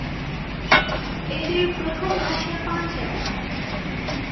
এঁদের প্রথম ভাষা পাঞ্জাবি।